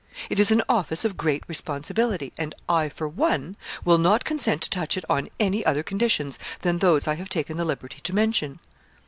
It is an office of great responsibility, and I for one will not consent to touch it on any other conditions than those I have taken the liberty to mention.'